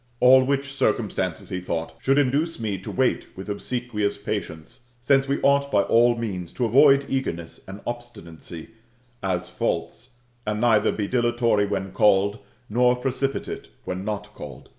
All which circumstances, he thought, should induce me to wait with obsequious patience, since we ought by all means to avoid eagerness and obstinacy, as faults, and neither be dilatory when called, nor precipitate when not called.